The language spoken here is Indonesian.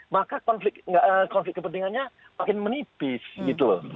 maka konflik kepentingannya makin menipis gitu loh